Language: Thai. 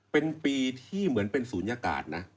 เป็นปีที่เหมือนเป็นศูนยากาศนะ